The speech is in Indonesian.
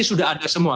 sudah ada semua